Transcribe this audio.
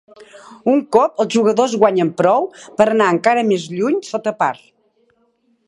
Un cop els jugadors guanyen prou per anar encara més lluny sota par.